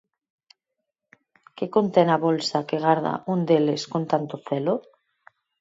Que contén a bolsa que garda un deles con tanto celo?